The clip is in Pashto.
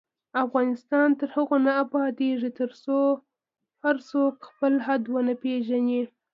افغانستان تر هغو نه ابادیږي، ترڅو هر څوک خپل حد ونه پیژني.